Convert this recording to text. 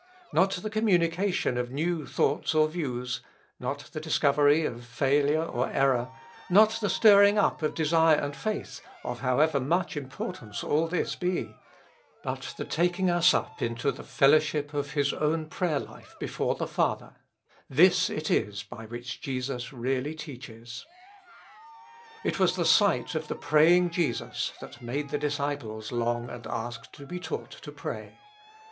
Not the communication of new thoughts or views, not the discovery of failure or error, not the stirring up of desire and faith, of how ever much importance all this be, but the taking us up into the fellowship of His own prayer life before the Father— this it is by which Jesus really teaches. 255 With Christ in the School of Prayer. It was the sight of the praying Jesus that made the disciples long and ask to be taught to pray.